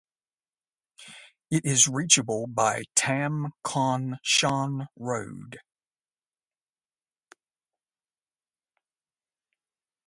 It is reachable by Tam Kon Shan Road.